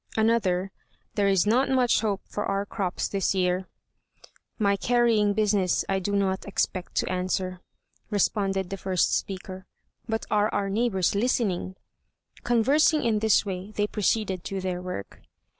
Another, "There is not much hope for our crops this year." "My carrying business I do not expect to answer," responded the first speaker. "But are our neighbors listening!" Conversing in this way they proceeded to their work.